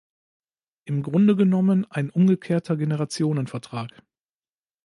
Im Grunde genommen ein umgekehrter Generationenvertrag.